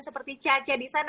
seperti caca disana